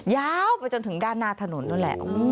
ยาวไปจนถึงด้านหน้าถนนแล้วแหละ